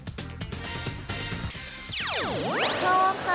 อืม